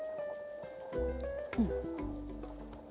うん。